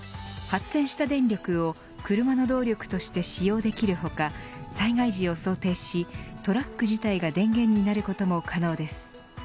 発電した電力を車の動力として使用できる他災害時を想定し、トラック自体が電源になることも可能です。